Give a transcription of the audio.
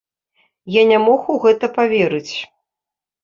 Я не мог у гэта паверыць.